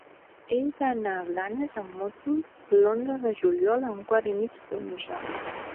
He d'anar a Blanes amb moto l'onze de juliol a un quart i mig d'onze.